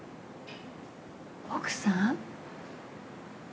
奥さん？